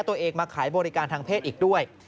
ตัวเองมาขายบริการทางเพศอีกด้วย